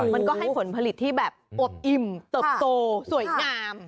มันก็ให้ผลผลิตที่แบบอบอิ่มเติบโตสวยงาม